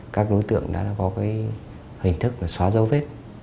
các đối tượng đã có hình thức xóa dấu vết